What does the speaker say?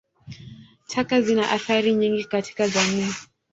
Taka zina athari nyingi katika jamii.